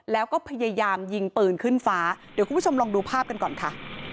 แล้วก็พยายามยิงปืนขึ้นฟ้าเดี๋ยวคุณผู้ชมลองดูภาพกันก่อนค่ะ